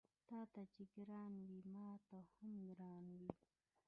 تاته چې ګران وي ماته هم ګران وي